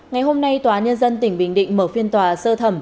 ngày hôm nay tòa nhân dân tỉnh bình định mở phiên tòa sơ thẩm